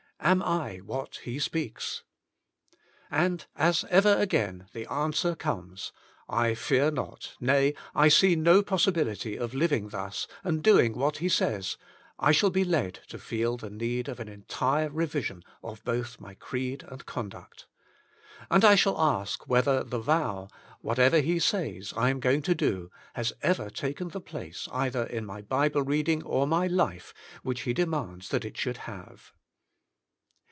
Am I what He speaks? And as ever The Blessedness of the Doer 55 again, the answer comes — I fear not, nay, I see no possibility of living thus, and doing what He says, I shall be led to feel the need of an entire revision of both my creed and conduct. And I shall ask whether the vow, Whatever He Says I Am Going to Do^ has ever taken the place either in my Bible reading or my life which He demands that it should have.